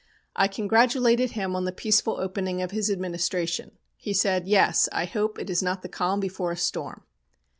"I congratulated him on the peaceful opening of his administration. He said: "'Yes! I hope it is not the calm before a storm.'